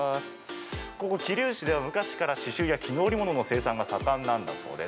ここ桐生市では昔から刺しゅうや絹織物の生産が盛んなんだそうです。